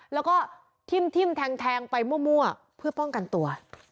แล้วก็ทิ่มแทงไปมั่วเพื่อป้องกันตัว